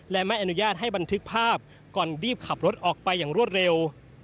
และไม่อนุญาตให้บันทึกภาพก่อนรีบขับรถออกไปอย่างรวดเร็ว